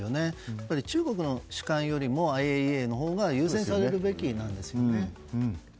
やっぱり中国の主観よりもＩＡＥＡのほうが優先されるべきなんですよね。